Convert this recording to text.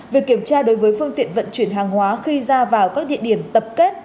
việc kiểm tra đối với phương tiện vận chuyển hàng hóa khi ra vào các địa điểm tập kết